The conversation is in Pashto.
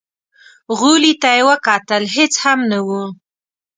غولي ته يې وکتل، هېڅ هم نه و.